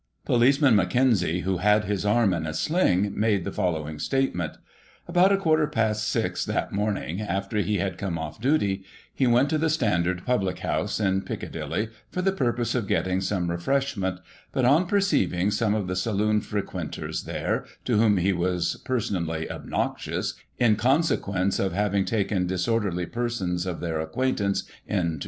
Policeman Mackenzie, who had his arm in a sling, made the following statement: About a quarter past six that morning, after he had come off duty, he went to the Standard public house, in Piccadilly, for the purpose of getting some refreshment, but, on perceiving some of the saloon frequenters there, to whom he was personally obnoxious, in consequence of having taken disorderly persons of their acquaintance into Digiti ized by Google 1838] LORDS AND PUGILISM.